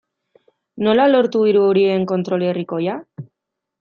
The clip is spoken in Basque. Nola lortu hiru horien kontrol herrikoia?